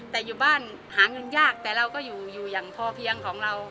แต่อยู่บ้านหาเงินยากแต่เราก็อยู่อย่างพอเพียงของเรา